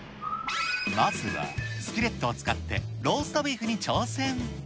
まずはスキレットを使って、ローストビーフに挑戦。